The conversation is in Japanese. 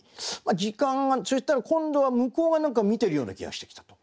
時間がそうしたら今度は向こうが何か見てるような気がしてきたと。